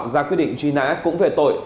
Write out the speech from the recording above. ra quyết định truy nã cũng về tội